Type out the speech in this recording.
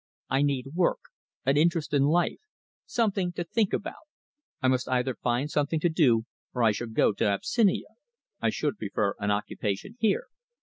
I need work, an interest in life, something to think about. I must either find something to do, or I shall go to Abyssinia. I should prefer an occupation here."